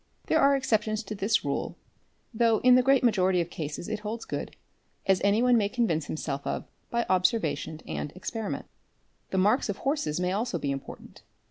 There are exceptions to this rule, though in the great majority of cases it holds good, as anyone may convince himself of by observation and experiment. The marks of horses may also be important.